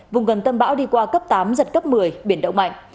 vùng gần tâm bão đi qua cấp tám giật cấp một mươi biển động mạnh